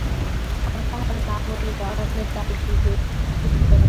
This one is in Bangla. তাহার মা বলিল, আড়ালের ডাল ভিজে খেয়ে দ্যাখা দেখি?